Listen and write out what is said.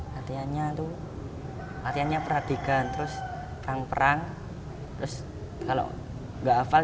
latihannya tuh latihannya peradigan terus perang perang terus kalau nggak hafal